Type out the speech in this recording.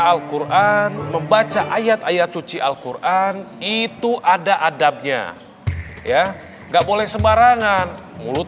alquran membaca ayat ayat suci alquran itu ada adabnya ya nggak boleh sembarangan mulut